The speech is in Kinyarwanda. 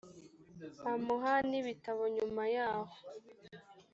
amuha n ibitabo nyuma yaho